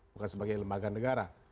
bukan sebagai lembaga negara